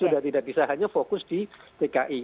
sudah tidak bisa hanya fokus di dki